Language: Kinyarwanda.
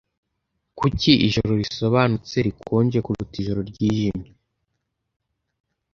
Kuki ijoro risobanutse rikonje kuruta ijoro ryijimye